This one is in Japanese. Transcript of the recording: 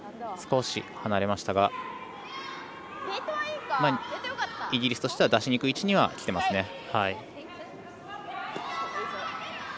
少し離れましたがイギリスとしては出しにくい位置にきてますね。